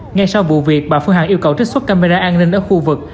ngay sau vụ việc bà phương hằng yêu cầu trích xuất camera an ninh ở khu vực